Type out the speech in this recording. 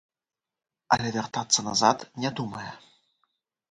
Але вяртацца назад не думае.